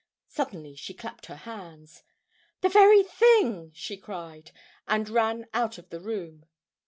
Suddenly she clapped her hands. "The very thing!" she cried, and ran out of the room.